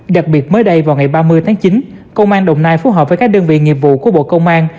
đặc biệt mới đây vào ngày ba mươi tháng chín công an đồng nai phối hợp với các đơn vị nghiệp vụ của bộ công an